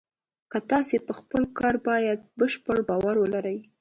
که تاسې په خپل کار باندې بشپړ باور لرئ